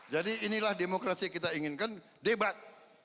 jadi inilah demokrasi kita inginkan debat